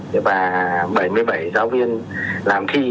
và bảy mươi bảy giáo viên làm thi